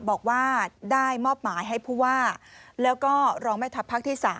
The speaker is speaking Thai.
บอกว่าได้มอบหมายให้ผู้ว่าแล้วก็รองแม่ทัพภาคที่๓